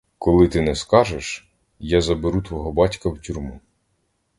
Коли ти не скажеш, я заберу твого батька в тюрму.